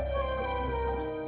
apa ada yang bisa kubantu